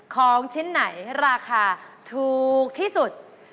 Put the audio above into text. ของชิ้นไหนราคาถูกที่สุด